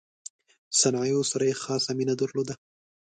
صنایعو سره یې خاصه مینه درلوده.